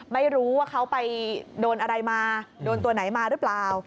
ไม่รู้ว่าเขาไปโดนอะไรมาโดนตัวไหนมาหรือเปล่า